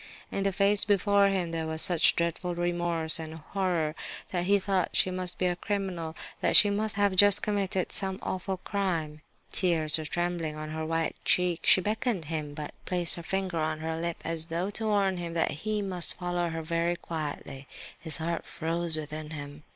In the face before him there was such dreadful remorse and horror that he thought she must be a criminal, that she must have just committed some awful crime. Tears were trembling on her white cheek. She beckoned him, but placed her finger on her lip as though to warn him that he must follow her very quietly. His heart froze within him.